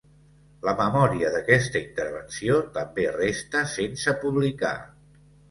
La memòria d'aquesta intervenció també resta sense publicar.